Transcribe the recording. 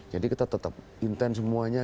jadi kita tetap intent semuanya